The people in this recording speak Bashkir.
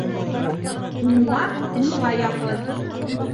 Унлап, унға яҡын